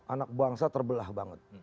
anak bangsa terbelah banget